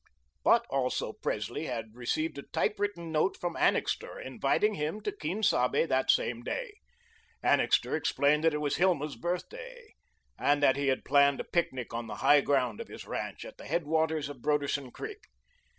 But also Presley had received a typewritten note from Annixter, inviting him to Quien Sabe that same day. Annixter explained that it was Hilma's birthday, and that he had planned a picnic on the high ground of his ranch, at the headwaters of Broderson Creek.